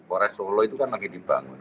polres solo itu kan lagi dibangun